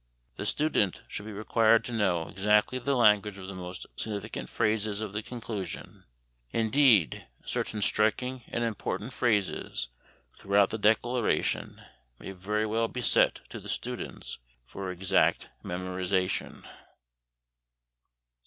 The student should be required to know exactly the language of the most significant phrases of the conclusion; indeed, certain striking and important phrases throughout the Declaration may very well be set to the students for exact memorization.